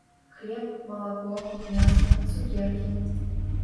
Хлеб, малако, мяса, цукеркі.